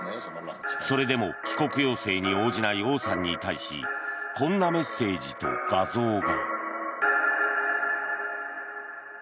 それでも帰国要請に応じないオウさんに対しこんなメッセージと画像が。